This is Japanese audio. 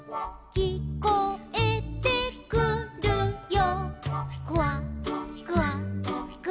「きこえてくるよ」